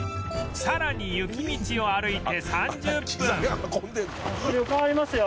さらに雪道を歩いて３０分